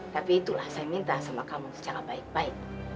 tapi itulah saya minta sama kamu secara baik baik